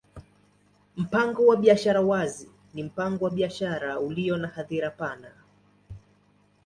Mpango wa biashara wazi ni mpango wa biashara ulio na hadhira pana.